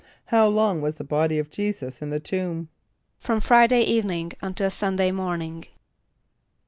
= How long was the body of J[=e]´[s+]us in the tomb? =From Friday evening until Sunday morning.